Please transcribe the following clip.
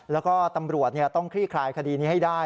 แล้วก็ตำรวจต้องคลี่คลายคดีนี้ให้ได้